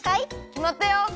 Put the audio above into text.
きまったよ！